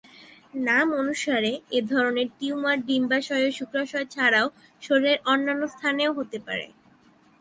নাম অনুসারে এ ধরনের টিউমার ডিম্বাশয় ও শুক্রাশয় ছাড়াও শরীরের অন্যান্য স্থানেও হতে পারে।